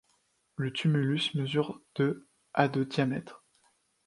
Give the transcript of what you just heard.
Le tumulus mesure de à de diamètre.